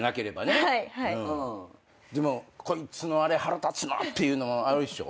でもこいつのあれ腹立つなっていうのはあるっしょ。